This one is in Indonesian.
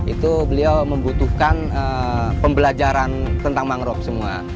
itu beliau membutuhkan pembelajaran tentang mangrove semua